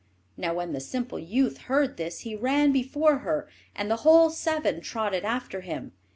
Now, when the simple youth heard this, he ran before her, and the whole seven trotted after him.